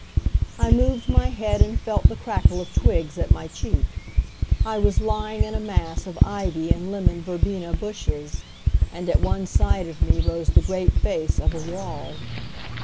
I moved my head and felt the crackle of twigs at my cheek. I was lying in a mass of ivy and lemon verbena bushes, and at one side of me rose the great face of a wall.